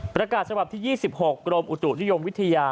ฉบับที่๒๖กรมอุตุนิยมวิทยา